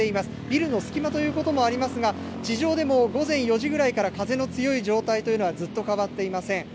ビルの隙間ということもありますが、地上でも午前４時ぐらいから、風の強い状態というのはずっと変わっていません。